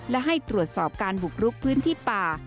และให้ตรวจสอบการบุกรุกพื้นที่ป่า